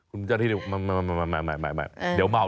คุณเจ้าที่นี่ไม่เดี๋ยวเมา